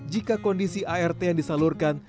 jika kondisi art yang disalurkan